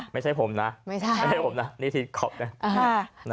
ไม่ใช่ผมนะไม่ใช่ผมนะนี่ที่ขอบนะ